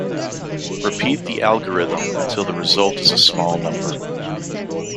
Repeat the algorithm until the result is a small number.